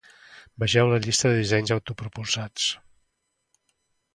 Vegeu la "Llista de dissenys autopropulsats"